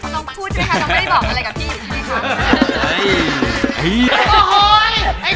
ต้องพูดนะคะจะไม่ได้บอกอะไรกับพี่